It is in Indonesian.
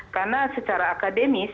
karena secara akademis